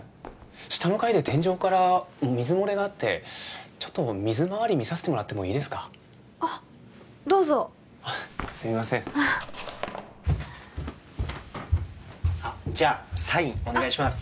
下の階で天井から水漏れがあってちょっと水回り見させてもらってもいいですかあっどうぞすみませんあっじゃあサインお願いします